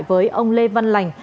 với ông lê văn lành